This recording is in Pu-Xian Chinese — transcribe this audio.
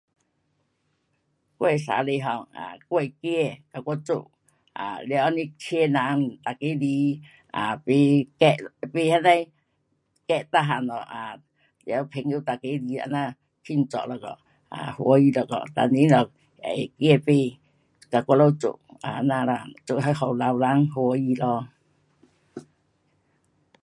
我的生日 um 我的儿跟我做。um 了这样请人每个来买 cake 咯，买那那的 cake 每样咯，um 了朋友每个来庆祝一下 um，欢喜一下，每年都他会买跟我们做，就这样啦，做那年轻人欢喜咯。